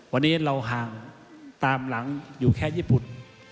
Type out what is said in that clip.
วันนี้เราห่างตามหลังอยู่แค่ญี่ปุ่น